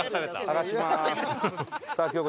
剥がします。